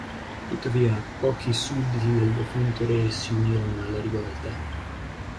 Tuttavia, pochi sudditi del defunto re si unirono alla rivolta.